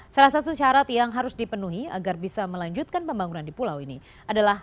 salah satu syarat yang harus dipenuhi agar bisa melanjutkan pembangunan di pulau ini adalah